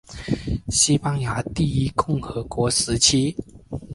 西班牙第一共和国时期。